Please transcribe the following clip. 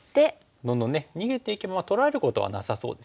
どんどんね逃げていけば取られることはなさそうですよね。